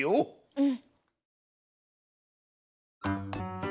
うん。